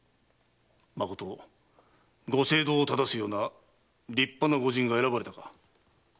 まことご政道を正すような立派な御仁が選ばれたか？